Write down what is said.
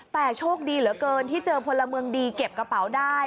แต่โชคดีเหลือเกินที่เจอพลเมืองดีเก็บกระเป๋าได้